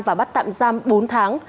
và bắt tạm giam bốn tháng